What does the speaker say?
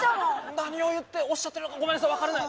何を言っておっしゃってるのかごめんなさい分からない。